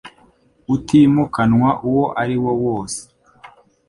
utimukanwa uwo ari wo wose